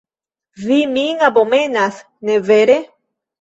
Vi min abomenas, ne vere?